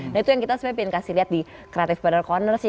nah itu yang kita sebenarnya pengen kasih lihat di creative partner corner sih